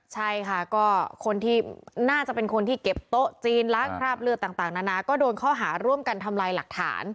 ใช่ค่ะก็คนที่น่าจะเป็นคนที่เก็บโต๊ะจีนล้างคราบเลือดต่างนานาก็โดนข้อหาร่วมกันทำลายหลักฐาน